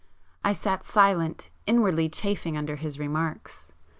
I sat silent,—inwardly chafing under his remarks.